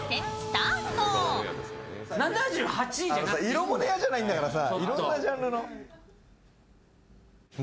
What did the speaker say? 「イロモネア」じゃないんだからさ。